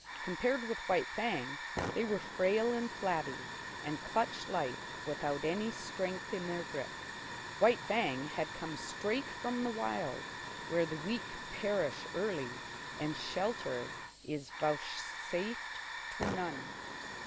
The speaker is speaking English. Compared with White Fang, they were frail and flabby, and clutched life without any strength in their grip. White Fang had come straight from the Wild, where the weak perish early and shelter is vouchsafed to none.